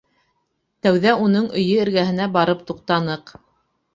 Тәүҙә уның өйө эргәһенә барып туҡтаныҡ.